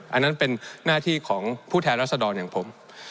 อันนั้นเป็นหน้าที่ของผู้แทนรัศดรอย่างผม